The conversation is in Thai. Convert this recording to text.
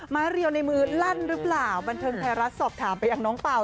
เรียวในมือลั่นหรือเปล่าบันเทิงไทยรัฐสอบถามไปอย่างน้องเปล่า